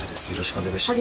お願いします。